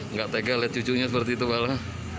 nggak tega lihat cucunya seperti itu pak lah